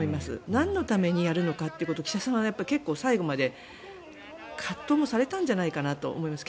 なんのためにやるのかということを岸田さんは結構、最後まで葛藤されたんじゃないかなと思います。